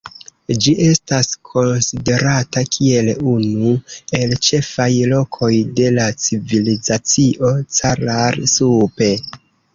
Ĝi estas konsiderata kiel unu el ĉefaj lokoj de la Civilizacio Caral-Supe.